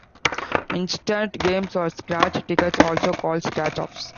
Instant games are scratch tickets also called "scratch-offs".